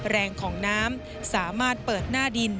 แรงของน้ำสามารถเปิดหน้าดิน